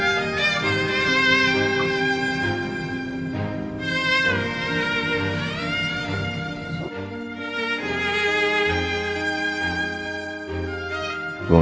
mama sudah senang